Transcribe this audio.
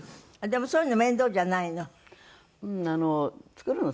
でもそういうの面倒じゃないの？